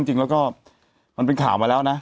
แต่หนูจะเอากับน้องเขามาแต่ว่า